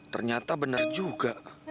ternyata benar juga